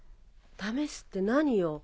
試すって何を？